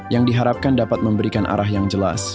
yang diharapkan dapat memberikan arah yang jelas